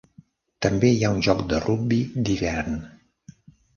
També hi ha un joc de rugbi d'hivern.